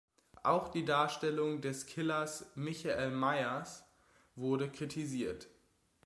Auch die Darstellung des Killers Michael Myers wurde kritisiert.